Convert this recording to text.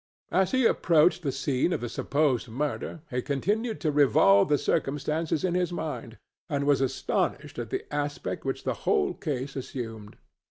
As he approached the scene of the supposed murder he continued to revolve the circumstances in his mind, and was astonished at the aspect which the whole case assumed.